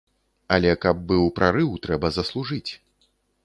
Але каб быў прарыў, трэба заслужыць.